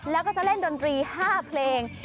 แล้วก็จะเล่นดนตรี๕เพลง